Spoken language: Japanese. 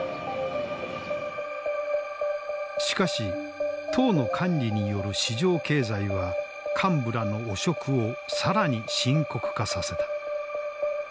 しかし党の管理による市場経済は幹部らの汚職を更に深刻化させた。